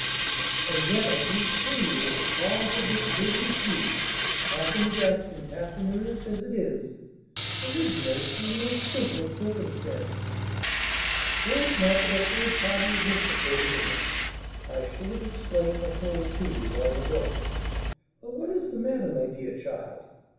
"And yet I can assure you that the cause of this deadly feud, half in jest, and half in earnest as it is, originates in the most simple circumstance. Were it not that a third party is implicated in it, I should have explained the whole to you long ago. But what is the matter, my dear child?